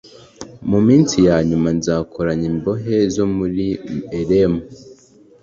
mu minsi ya nyuma nzakoranya imbohe zo muri elamu.